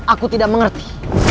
aku tidak mengerti